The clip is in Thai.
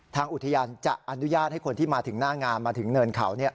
ทางอุทยานจะอนุญาตให้คนที่มาถึงหน้างานมาถึงเนินเขา